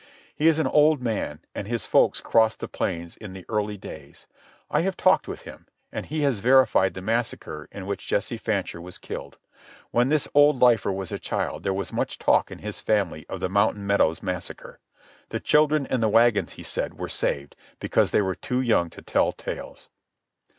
He is an old man, and his folks crossed the plains in the early days. I have talked with him, and he has verified the massacre in which Jesse Fancher was killed. When this old lifer was a child there was much talk in his family of the Mountain Meadows Massacre. The children in the wagons, he said, were saved, because they were too young to tell tales.